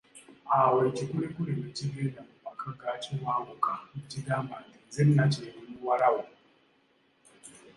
Awo ekikulekule ne kigenda mu maka ga Kiwankuka ne kigamba nti, nze Nakintu muwala wo.